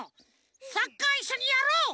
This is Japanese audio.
サッカーいっしょにやろう！